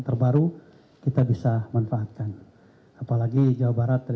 terbaru kita bisa manfaatkan apalagi jawa barat